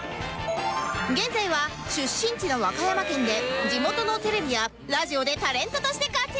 現在は出身地の和歌山県で地元のテレビやラジオでタレントとして活躍